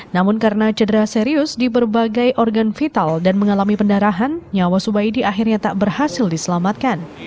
namun karena cedera serius di berbagai organ vital dan mengalami pendarahan nyawa subaidi akhirnya tak berhasil diselamatkan